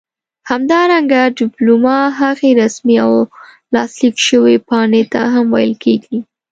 همدارنګه ډيپلوما هغې رسمي او لاسليک شوي پاڼې ته هم ويل کيږي